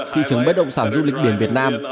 thị trường bất động sản du lịch biển việt nam